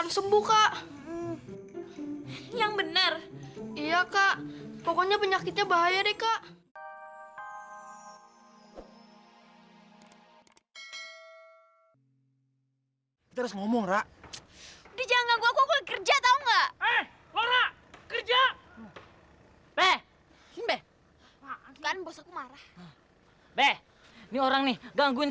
sampai jumpa di video selanjutnya